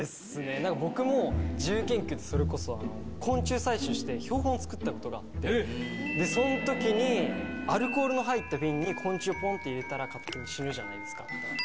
なんか僕も自由研究って、それこそ昆虫採集して、標本作ったことがあって、そのときにアルコールの入った瓶に昆虫をぽんって入れたら勝手に死ぬじゃないですか。